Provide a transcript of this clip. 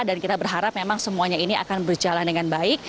dan kita berharap memang semuanya ini akan berjalan dengan baik